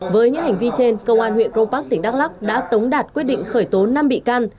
với những hành vi trên công an huyện crong park tỉnh đắk lắc đã tống đạt quyết định khởi tố năm bị can